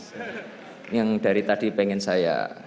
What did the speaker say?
ini yang dari tadi ingin saya